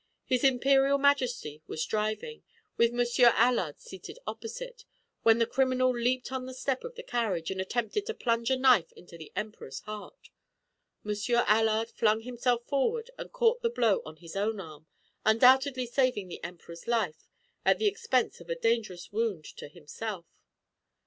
His Imperial Majesty was driving, with Monsieur Allard seated opposite, when the criminal leaped on the step of the carriage and attempted to plunge a knife into the Emperor's heart. Monsieur Allard flung himself forward and caught the blow on his own arm, undoubtedly saving the Emperor's life at the expense of a dangerous wound to himself.